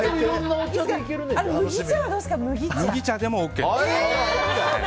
麦茶でもＯＫです。